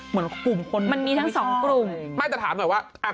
เหมือนกลุ่มคนมันมีทั้งสองกลุ่มมันมีทั้งสองกลุ่มไม่แต่ถามหน่อยว่าอ่ะ